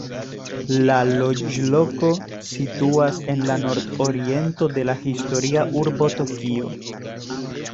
La loĝloko situas en la nordoriento de la historia urbo Tokio.